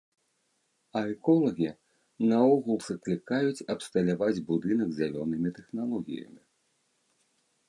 А эколагі наогул заклікаюць абсталяваць будынак зялёнымі тэхналогіямі.